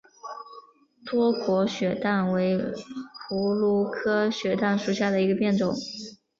多果雪胆为葫芦科雪胆属下的一个变种。